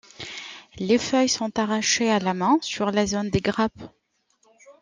Les feuilles sont arrachées à la main, sur la zone des grappes.